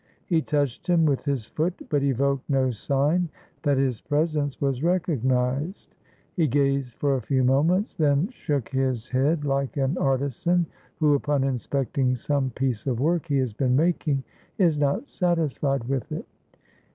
He touched him with his foot, but evoked no sign that his presence was recog nized. He gazed for a few moments; then shook his 497 TURKEY head like an artisan who, upon inspecting some piece of work he has been making, is not satisfied with it.